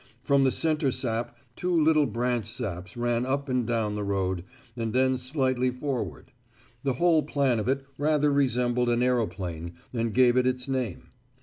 From the centre sap two little branch saps ran up and down the road, and then slightly forward; the whole plan of it rather resembled an aeroplane and gave it its name.